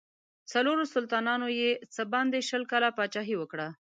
څلورو سلطانانو یې څه باندې شل کاله پاچهي وکړه.